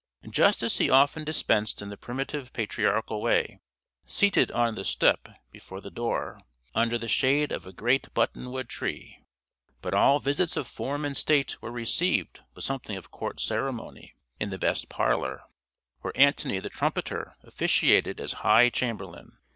Justice he often dispensed in the primitive patriarchal way, seated on the "stoep" before the door, under the shade of a great button wood tree, but all visits of form and state were received with something of court ceremony in the best parlor, where Antony the Trumpeter officiated as high chamberlain.